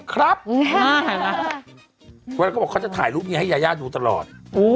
คำว่ายาย่าคลิปยากกว่าอีกก่อน